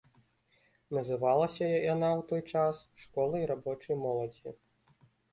Называлася яна ў той час школай рабочай моладзі.